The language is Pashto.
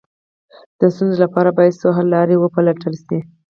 د ستونزو لپاره باید څو حل لارې وپلټل شي.